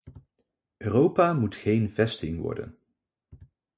Europa moet geen vesting worden.